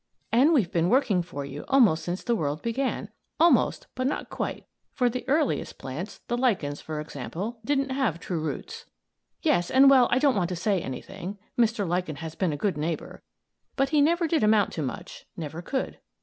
"And we've been working for you almost since the world began; almost, but not quite for the earliest plants, the Lichens, for example didn't have true roots. "Yes, and well, I don't want to say anything Mr. Lichen has been a good neighbor but he never did amount to much; never could.